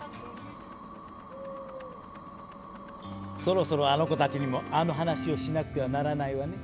そろそろあの子たちにもあの話をしなくてはならないわね。